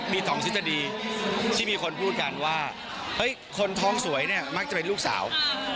มี๒ทฤษฎีที่มีคนพูดกันว่าเฮ้ยคนท้องสวยเนี่ยมักจะเป็นลูกสาว